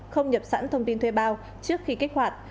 không nhập sẵn thông tin thuê bao trước khi kích hoạt